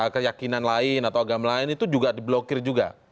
keyakinan lain atau agama lain itu juga diblokir juga